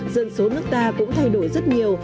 dân số nước ta cũng thay đổi rất nhiều